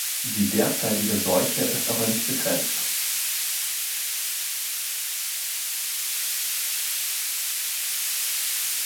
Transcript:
Die derzeitige Seuche ist aber nicht begrenzt!